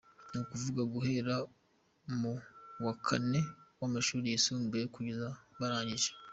Ni ukuvuga guhera mu wa kane w’amashuri yisumbuye kugeza barangije.